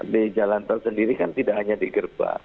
di jalan tol sendiri kan tidak hanya di gerbang